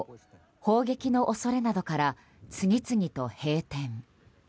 砲撃の恐れなどから次々と閉店。